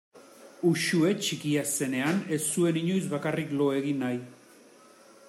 Uxue txikia zenean ez zuen inoiz bakarrik lo egin nahi.